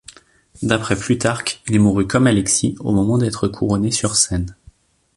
D’après Plutarque, il mourut comme Alexis, au moment d'être couronné sur scène.